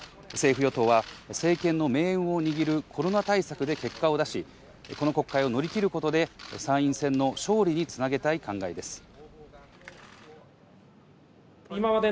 政府・与党は政権の命運を握るコロナ対策で結果を出し、この国会を乗り切ることで、参院選の勝利につなげたい考えです。